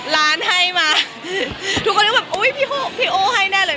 ร้านให้มาทุกคนคิดว่าพี่โอ้ให้แน่เลย